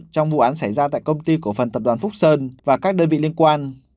trong vụ án xảy ra tại công ty cổ phần tập đoàn phúc sơn và các đơn vị liên quan